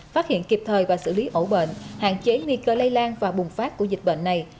phát hiện kịp thời và xử lý ẩu bệnh hạn chế nguy cơ lây lan và bùng phát của dịch bệnh này